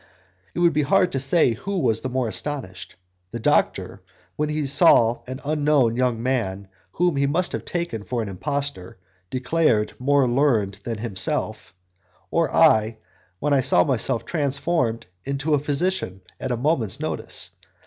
It would be hard to say who was the more astonished: the doctor, when he saw an unknown young man, whom he must have taken for an impostor, declared more learned than himself; or I, when I saw myself transformed into a physician, at a moment's notice.